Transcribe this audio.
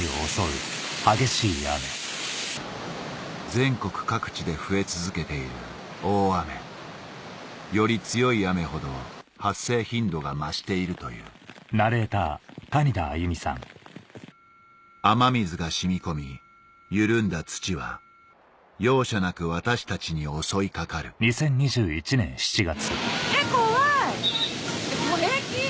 全国各地で増え続けている大雨より強い雨ほど発生頻度が増しているという雨水が染み込み緩んだ土は容赦なく私たちに襲いかかる・えっ怖いこれ平気？